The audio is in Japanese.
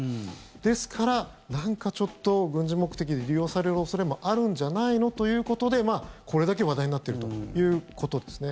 ですから、なんかちょっと軍事目的で利用される恐れもあるんじゃないの？ということでこれだけ話題になっているということですね。